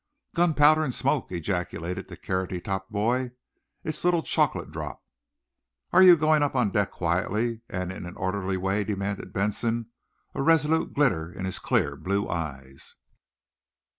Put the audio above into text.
"Gunpowder and smoke!" ejaculated the carroty topped boy. "It's little chocolate drop!" "Are you going up on deck quietly and in an orderly way?" demanded Benson, a resolute glitter in his clear, blue eyes.